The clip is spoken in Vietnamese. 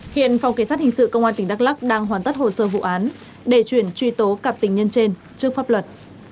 hiện phòng kỳ sát hình sự công an tỉnh đắk lắc đang hoàn tất hồ sơ vụ án để chuyển truy tố cặp tình nhân trên trước pháp luật